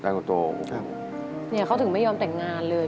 เนี่ยเขาถึงไม่ยอมแต่งงานเลย